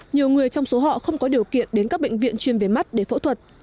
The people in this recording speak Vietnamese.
nhiều người trong số họ không có điều kiện đến các bệnh viện chuyên về mắt để phẫu thuật